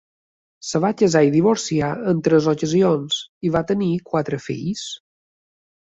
Es va casar i divorciar en tres ocasions i va tenir quatre fills.